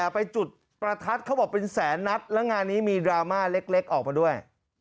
ไปจุดประทัดเขาบอกเป็นแสนนัดแล้วงานนี้มีดราม่าเล็กออกมาด้วย